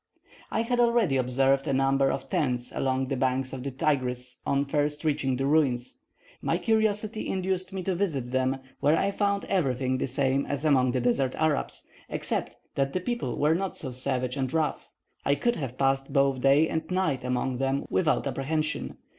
I had already observed a number of tents along the banks of the Tigris on first reaching the ruins; my curiosity induced me to visit them, where I found everything the same as among the desert Arabs, except that the people were not so savage and rough; I could have passed both day and night among them without apprehension.